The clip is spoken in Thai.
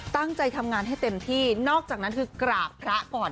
ตั้งใจทำงานให้เต็มที่นอกจากนั้นคือกราบพระก่อน